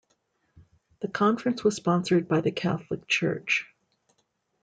The conference was sponsored by the Catholic Church.